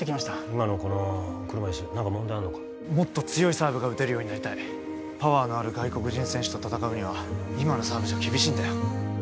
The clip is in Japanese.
今のこの車いす何か問題あるのかもっと強いサーブが打てるようになりたいパワーのある外国人選手と戦うには今のサーブじゃ厳しいんだよ